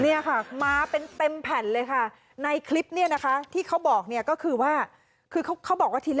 เนี่ยค่ะมาเป็นเต็มแผ่นเลยค่ะในคลิปเนี่ยนะคะที่เขาบอกเนี่ยก็คือว่าคือเขาเขาบอกว่าทีแรก